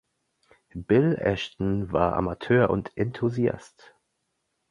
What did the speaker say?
Bill Aston war Amateur und Enthusiast.